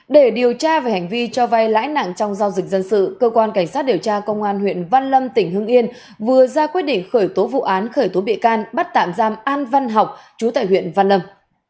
để điều tra về hành vi cho vay lãi nặng trong giao dịch dân sự cơ quan cảnh sát điều tra công an huyện văn lâm tỉnh hưng yên vừa ra quyết định khởi tố vụ án khởi tố bị can bắt tạm giam an văn học chú tại huyện văn lâm